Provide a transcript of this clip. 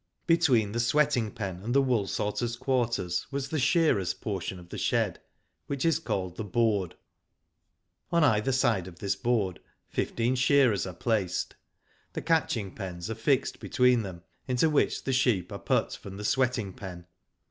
Between the sweating pen and the wool sorters' quarters, was the shearers' portion of the shed, which is called the board.'* On either side of of this board, fifteen shearers are placed. The catching pens are fixed between them, into which the sheep are put from the sweating pen.